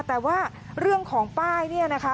แต่ว่าเรื่องของป้ายเนี่ยนะคะ